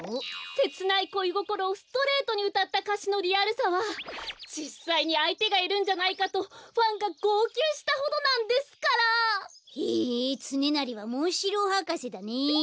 せつないこいごころをストレートにうたったかしのリアルさはじっさいにあいてがいるんじゃないかとファンがごうきゅうしたほどなんですから！へえつねなりはモンシローはかせだね。